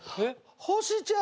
星ちゃう？